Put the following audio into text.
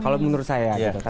kalau menurut saya gitu